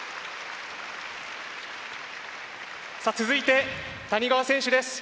続いて谷川選手です。